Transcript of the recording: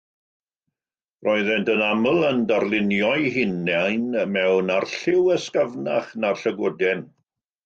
Roeddent yn aml yn darlunio eu hunain mewn arlliw ysgafnach na'r llygoden.